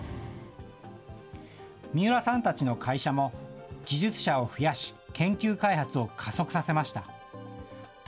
三浦さんたちの会社も技術者を増やし、研究開発を加速させました。